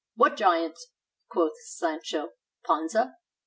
"What giants?" quoth Sancho Panza.